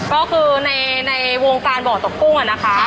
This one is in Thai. ก็คือในวงการบ่อตกกุ้งอะนะคะ